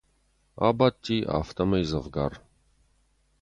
Абадти афтӕмӕй дзӕвгар.